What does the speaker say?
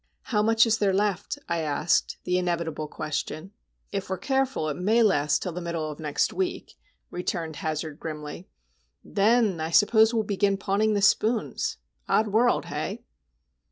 "How much is there left?" I asked,—the inevitable question. "If we're careful it may last till the middle of next week," returned Hazard, grimly. "Then, I suppose, we'll begin pawning the spoons. Odd world,—hey?"